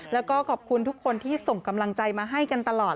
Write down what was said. แล้วก็ขอบคุณทุกคนที่ส่งกำลังใจมาให้กันตลอด